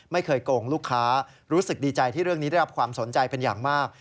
โกงลูกค้ารู้สึกดีใจที่เรื่องนี้ได้รับความสนใจเป็นอย่างมาก